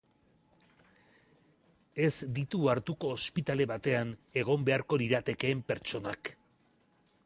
Ez ditu hartuko ospitale batean egon beharko liratekeen pertsonak.